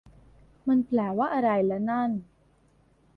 มันแปลว่าอะไรละนั่น